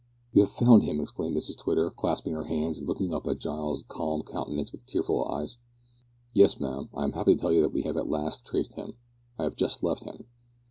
"You have found him!" exclaimed Mrs Twitter, clasping her hands and looking up in Giles's calm countenance with tearful eyes. "Yes, ma'am, I am happy to tell you that we have at last traced him. I have just left him."